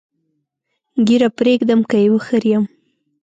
ږیره پرېږدم که یې وخریم؟